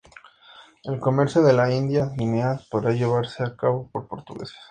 El comercio de la India y Guinea solo podrá llevarse a cabo por portugueses.